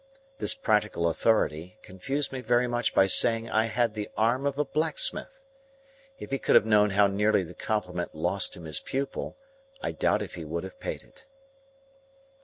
This practical authority confused me very much by saying I had the arm of a blacksmith. If he could have known how nearly the compliment lost him his pupil, I doubt if he would have paid it.